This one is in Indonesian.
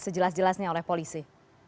sejelas jelasnya oleh polisi